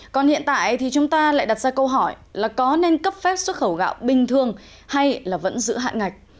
còn hiện tại thì chúng ta lại đặt ra câu hỏi là có nên cấp phép xuất khẩu gạo bình thường hay là vẫn giữ hạn ngạch